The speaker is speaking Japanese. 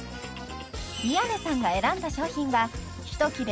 ［宮根さんが選んだ商品は一切れ